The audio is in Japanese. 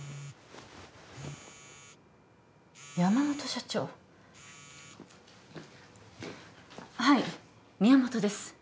山本社長はい宮本です